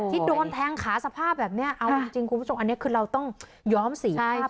ที่โดนแทงขาสภาพแบบนี้เอาจริงคุณผู้ชมอันนี้คือเราต้องย้อมสีภาพ